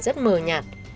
rất mờ nhạt